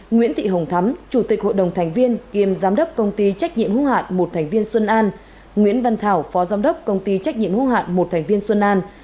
nguyễn thị hồng thắm chủ tịch hội đồng thành viên kiêm giám đốc công ty trách nhiệm hữu hạn một thành viên xuân an nguyễn văn thảo phó giám đốc công ty trách nhiệm hữu hạn một thành viên xuân an